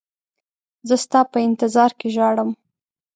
زه ستا په انتظار کې ژاړم.